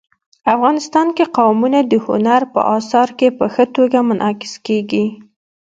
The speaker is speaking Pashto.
افغانستان کې قومونه د هنر په اثار کې په ښه توګه منعکس کېږي.